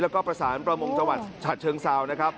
แล้วก็ประสานประมงจังหวัดฉะเชิงเซานะครับ